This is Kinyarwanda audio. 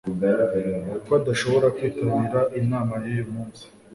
ko adashobora kwitabira inama yuyu munsi